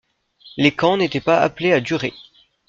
Les camps n'étaient pas appelés à durer.